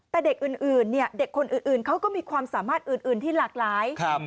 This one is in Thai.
แต่เด็กอื่นเนี่ยเด็กคนอื่นเขาก็มีความสามารถอื่นที่หลากหลาย